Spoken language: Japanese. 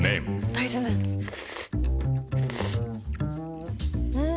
大豆麺ん？